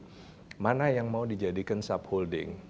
jadi mana yang mau dijadikan subholding